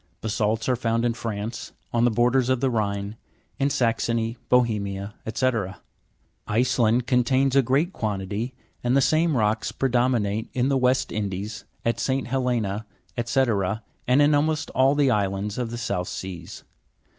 Basa'lts are found in France, on the borders of the Rhine, in Saxony, Bohemia, &c. Iceland contains a great quantity, and the same rocks predominate in the West Indies, at St. Helena, &c., and in almost all the islands of the South Seas.